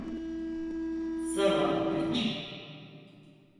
Zavallı piç.